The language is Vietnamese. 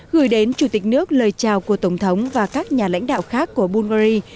gửi đến chủ tịch nước lời chào của tổng thống và các nhà lãnh đạo khác của bulgari